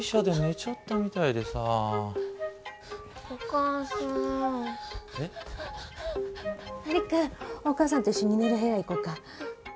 璃久お母さんと一緒に寝る部屋行こうか。